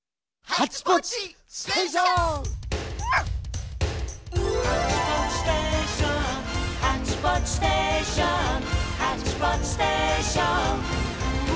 「ハッチポッチステーションハッチポッチステーション」「ハッチポッチステーション」